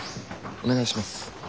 お願いします。